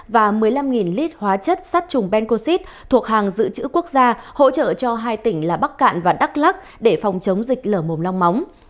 và một mươi năm lít hóa chất sát trùng bencoxid thuộc hàng dự trữ quốc gia hỗ trợ cho hai tỉnh là bắc cạn và đắk lắc để phòng chống dịch lở mồm long móng